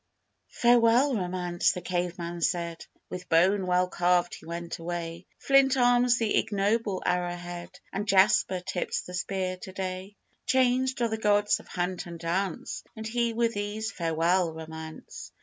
"Farewell, Romance!" the Cave men said; "With bone well carved he went away, Flint arms the ignoble arrowhead, And jasper tips the spear to day. Changed are the Gods of Hunt and Dance, And he with these. Farewell, Romance!"